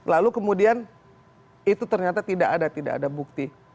lalu kemudian itu ternyata tidak ada tidak ada bukti